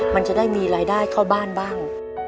มันจะได้มีรายได้เข้าบ้านบ้าง